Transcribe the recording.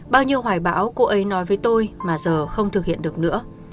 bao nhiêu hoài bão cô ấy nói với tôi mà giờ không thực hiện được nữa